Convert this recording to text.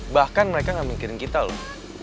bahkan mereka gak mikirin kita loh